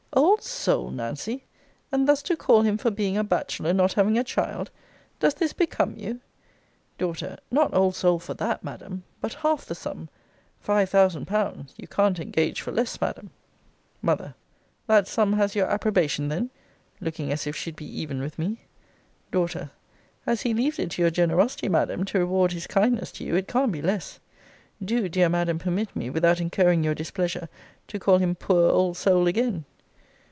Old soul, Nancy! And thus to call him for being a bachelor, not having a child! Does this become you? D. Not old soul for that, Madam but half the sum; five thousand pounds; you can't engage for less, Madam. M. That sum has your approbation then? [Looking as if she'd be even with me]. D. As he leaves it to your generosity, Madam, to reward his kindness to you, it can't be less. Do, dear Madam, permit me, without incurring your displeasure, to call him poor old soul again.